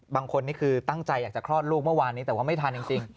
บางคนนี่คือตั้งใจอยากจะคลอดลูกเมื่อวานนี้แต่ว่าไม่ทันจริง